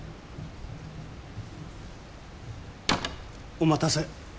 お待たせ。